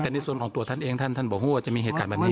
แต่ในส่วนของตัวท่านเองท่านท่านบอกว่าจะมีเหตุการณ์แบบนี้